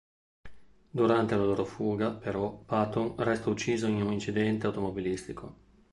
Durante la loro fuga, però, Paton resta ucciso in un incidente automobilistico.